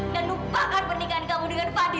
dan lupakan pernikahan kamu dengan fadil